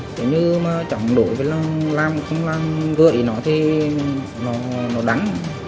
thế nhưng mà chọn đổi làm không làm gợi nó thì nó đắng